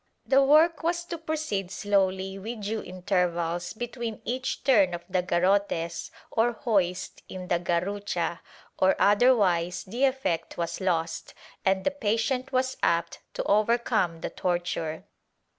The work was to proceed slowly with due intervals between each turn of the gar rotes or hoist in the garrucha, or otherwise the effect was lost, and the patient was apt to overcome the torture.